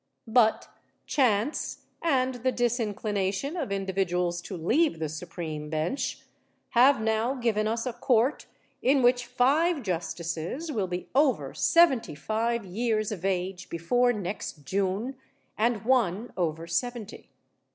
But chance and the disinclination of individuals to leave the Supreme bench have now given us a Court in which five justices will be over seventy five years of age before next June and one over seventy.